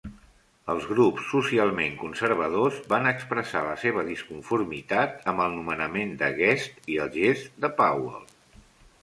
Els grups socialment conservadors van expressar la seva disconformitat amb el nomenament de Guest i el gest de Powell.